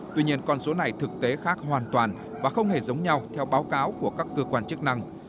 tuy nhiên con số này thực tế khác hoàn toàn và không hề giống nhau theo báo cáo của các cơ quan chức năng